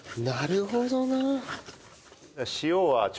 なるほどなあ。